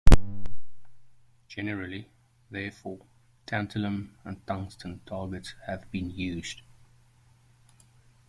Generally, therefore, tantalum or tungsten targets have been used.